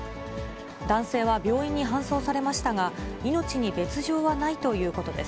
男性は病院に搬送されましたが、命に別状はないということです。